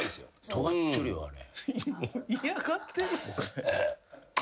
とがってるよあれ。